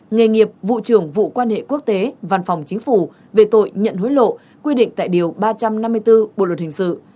nghề nghiệp vụ trưởng vụ quan hệ quốc tế văn phòng chính phủ về tội nhận hối lộ quy định tại điều ba trăm năm mươi bốn bộ luật hình sự